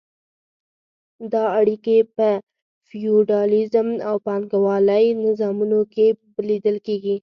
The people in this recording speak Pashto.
دا اړیکې په فیوډالیزم او پانګوالۍ نظامونو کې لیدل کیږي.